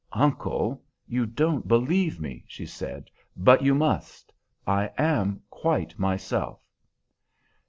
"Uncle, you don't believe me," she said; "but you must. I am quite myself."